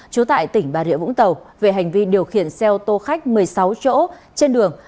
trú tại tỉnh bà rịa vũng tàu về hành vi điều khiển xe ô tô khách một mươi sáu chỗ trên đường